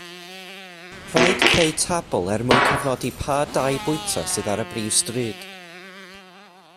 Rhaid creu tabl er mwyn cofnodi pa dai bwyta sydd ar y brif stryd